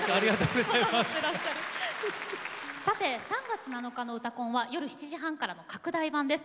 さて３月７日の「うたコン」は夜７時半からの拡大版です。